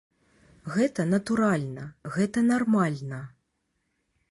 Гэта натуральна, гэта нармальна.